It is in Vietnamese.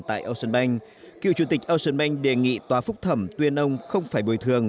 tại ocean bank cựu chủ tịch ocean bank đề nghị tòa phúc thẩm tuyên ông không phải bồi thường